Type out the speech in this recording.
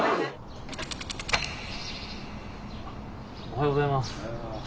おはようございます。